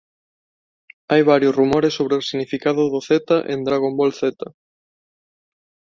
Hai varios rumores sobre o significado do "Z" en "Dragon Ball Z".